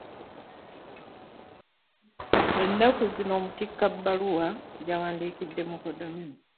Ennaku zino amutikka bbaluwa gy’awandikidde mukoddomi we.